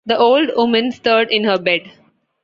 The old woman stirred in her bed.